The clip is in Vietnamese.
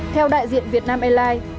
theo đại diện việt nam airlines